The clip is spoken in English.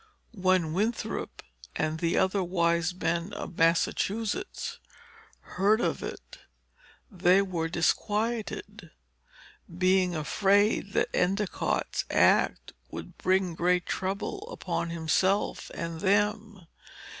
When Winthrop, and the other wise men of Massachusetts, heard of it, they were disquieted, being afraid that Endicott's act would bring great trouble upon himself and them.